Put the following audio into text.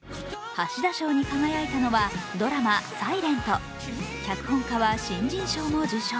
橋田賞に輝いたのはドラマ「ｓｉｌｅｎｔ」、脚本家は新人賞も受賞。